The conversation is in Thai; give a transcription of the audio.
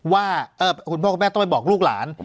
ว่าคุณพ่อคุณแม่ต้องไปบอกลูกหลาน